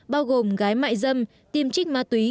bao gồm gái mại dâm tiêm trích ma túy